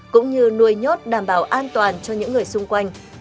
cũng như nuôi nhốt đảm bảo an toàn cho những người xung quanh